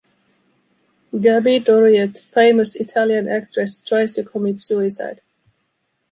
Gaby Doriot, famous Italian actress , tries to commit suicide.